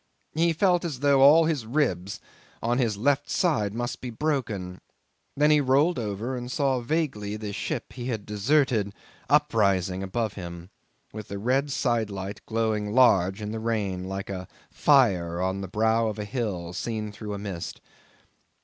He felt as though all his ribs on his left side must be broken; then he rolled over, and saw vaguely the ship he had deserted uprising above him, with the red side light glowing large in the rain like a fire on the brow of a hill seen through a mist.